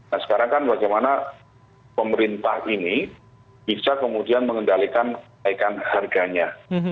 nah sekarang kan bagaimana pemerintah ini bisa kemudian mengendalikan naikan harganya